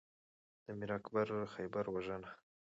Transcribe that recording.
د میر اکبر خیبر وژنه